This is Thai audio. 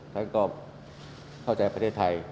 ท่านก็เข้าใจประเทศไทย